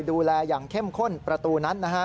ดูแลอย่างเข้มข้นประตูนั้นนะฮะ